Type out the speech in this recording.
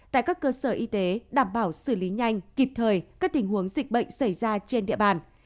tại các cơ sở y tế đảm bảo xử lý nhanh kịp thời các tình huống dịch bệnh xảy ra trên địa bàn